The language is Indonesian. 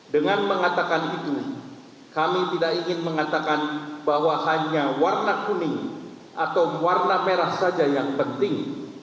dengan mengatakan itu kami tidak ingin mengatakan bahwa hanya warna kuning atau warna merah saja yang penting